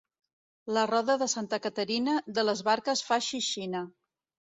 La roda de Santa Caterina, de les barques fa xixina.